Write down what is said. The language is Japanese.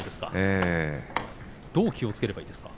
どう気をつければいいですか。